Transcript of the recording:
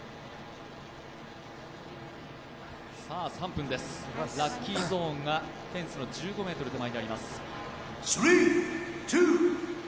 ３分です、ラッキーゾーンがフェンスの１５ｍ手前にあります。